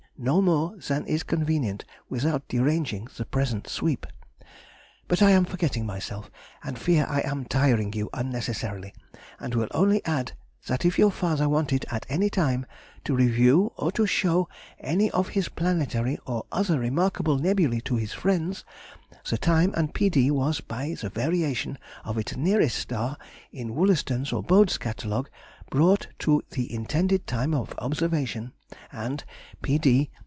No more than is convenient without deranging the present sweep.) But I am forgetting myself, and fear I am tiring you unnecessarily, and will only add that if your father wanted at any time to review or to show any of his planetary or other remarkable nebulæ to his friends, the time and P.D. was, by the variation of its nearest star in Wollaston's or Bode's catalogue, brought to the intended time of observation, and P.D.